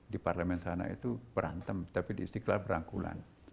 di parlemen sana itu berantem tapi di istiqlal berangkulan